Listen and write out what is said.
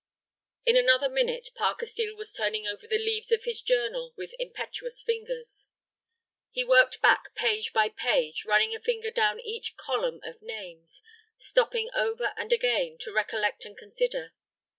In another minute Parker Steel was turning over the leaves of his journal with impetuous fingers. He worked back page by page, running a finger down each column of names, stopping ever and again to recollect and reconsider.